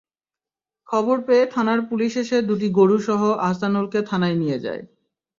খবর পেয়ে থানার পুলিশ এসে দুটি গরুসহ আহসানুলকে থানায় নিয়ে যায়।